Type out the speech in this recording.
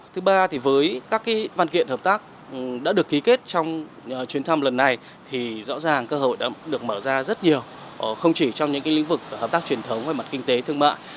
thứ ba thì với các văn kiện hợp tác đã được ký kết trong chuyến thăm lần này thì rõ ràng cơ hội đã được mở ra rất nhiều không chỉ trong những lĩnh vực hợp tác truyền thống về mặt kinh tế thương mại